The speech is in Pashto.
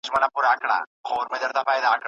او کوولي ځان ته غلي ساتي